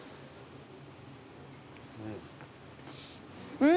うん！